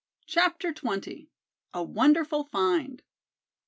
CHAPTER XX. A WONDERFUL FIND.